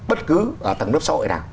bất cứ tầng lớp xã hội nào